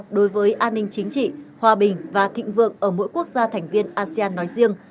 đối với an ninh chính trị hòa bình và thịnh vượng ở mỗi quốc gia thành viên asean nói riêng